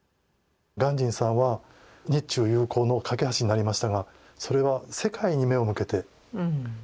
鑑真さんは日中友好の架け橋になりましたがそれは世界に目を向けてそれこそ仏教者